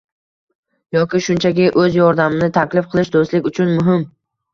yoki shunchaki o‘z yordamini taklif qilish – do‘stlik uchun muhim